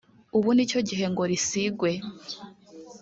“Ubu nicyo gihe ngo risigwe